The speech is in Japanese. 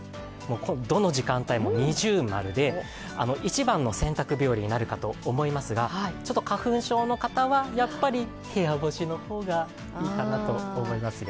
どの時間帯も◎で一番の洗濯日和になるかと思いますが、ちょっと花粉症の方はやっぱり部屋干しの方がいいかなと思いますよ。